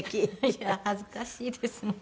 いや恥ずかしいですね